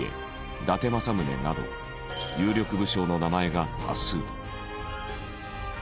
伊達政宗など有力武将の名前が多数。